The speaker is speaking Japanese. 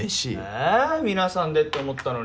えぇ皆さんでって思ったのに。